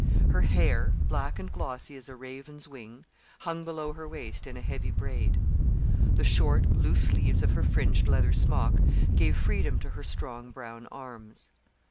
Her hair, black and glossy as a raven's wing, hung below her waist in a heavy braid. The short, loose sleeves of her fringed leather smock gave freedom to her strong brown arms.